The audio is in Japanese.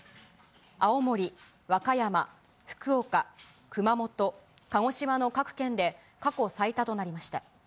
青森、和歌山、福岡、熊本、鹿児島の各県で過去最多となりました。